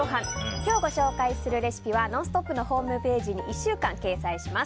今日ご紹介するレシピは「ノンストップ！」のホームページに１週間掲載します。